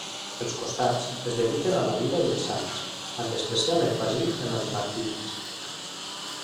Els costats es dediquen a la vida dels sants, amb especial èmfasi en els martiris.